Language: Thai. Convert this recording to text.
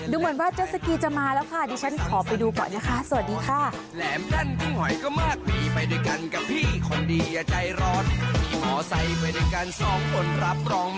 เหมือนว่าเจ็ดสกีจะมาแล้วค่ะดิฉันขอไปดูก่อนนะคะสวัสดีค่ะ